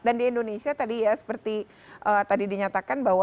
dan di indonesia tadi ya seperti tadi dinyatakan bahwa